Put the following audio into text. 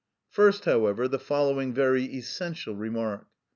First, however, the following very essential remark.